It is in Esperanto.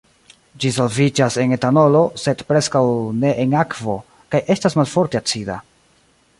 Ĝi solviĝas en etanolo, sed preskaŭ ne en akvo, kaj estas malforte acida.